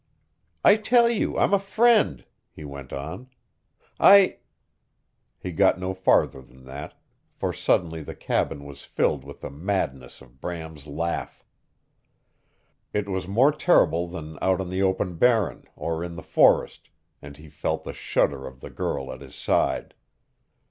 "I tell you I'm a friend," he went on. "I " He got no farther than that, for suddenly the cabin was filled with the madness of Bram's laugh. It was more terrible than out on the open Barren, or in the forest, and he felt the shudder of the girl at his side.